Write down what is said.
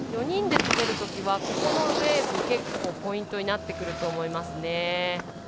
４人で滑るときはここのウエーブ結構ポイントになってくると思います。